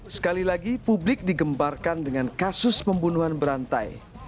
sekali lagi publik digembarkan dengan kasus pembunuhan berantai